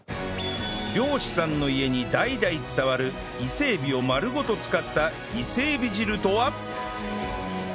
漁師さんの家に代々伝わる伊勢エビを丸ごと使った伊勢エビ汁とは？